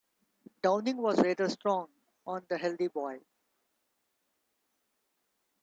Downing was rather strong on the healthy boy.